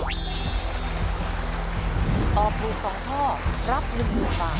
ตอบกลุ่นสองข้อรับหนึ่งหนึ่งบาท